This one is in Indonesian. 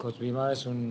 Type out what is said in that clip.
coach bima adalah